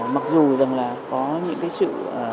mặc dù rằng là có những cái sự